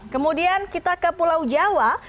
kemudian kita ke pulau jawa